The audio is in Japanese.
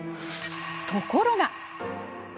ところが！